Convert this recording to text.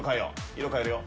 色変えるよ